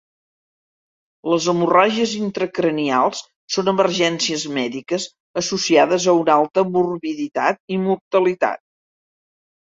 Les hemorràgies intracranials són emergències mèdiques associades a una alta morbiditat i mortalitat.